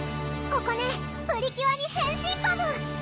ここねプリキュアに変身パム！